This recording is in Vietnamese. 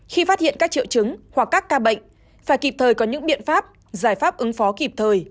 khi phát hiện các triệu chứng hoặc các ca bệnh phải kịp thời có những biện pháp giải pháp ứng phó kịp thời